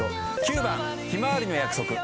９番ひまわりの約束。